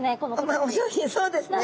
まあお上品そうですね。